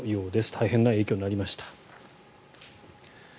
大変な影響となりました。